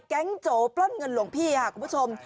โจปล้นเงินหลวงพี่ค่ะคุณผู้ชม